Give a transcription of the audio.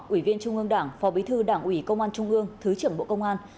ủy viên trung ương đảng phó bí thư đảng ủy công an trung ương thứ trưởng bộ công an